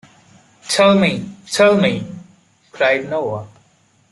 “Tell me, tell me!” cried Noah.